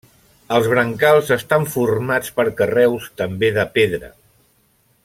Els brancals estan formats per carreus també de pedra.